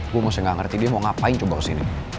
gue mesti gak ngerti dia mau ngapain coba kesini